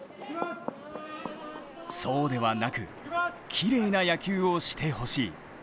そうではなく、きれいな野球をしてほしい。